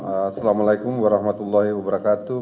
assalamu'alaikum warahmatullahi wabarakatuh